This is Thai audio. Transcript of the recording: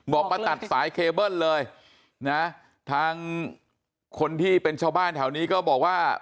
มาตัดสายเคเบิ้ลเลยนะทางคนที่เป็นชาวบ้านแถวนี้ก็บอกว่า